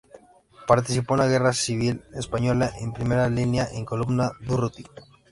Participó en la Guerra Civil Española en primera línea, en la Columna Durruti.